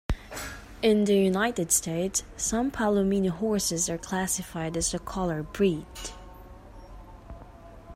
In the United States, some palomino horses are classified as a color breed.